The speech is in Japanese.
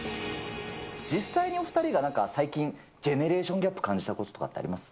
実際にお２人が最近、ジェネレーションギャップを感じたこととかってあります？